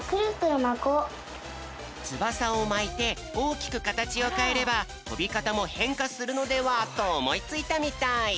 つばさをまいておおきくかたちをかえればとびかたもへんかするのでは？とおもいついたみたい。